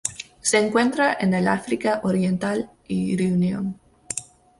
Se encuentra en el África Oriental y Reunión.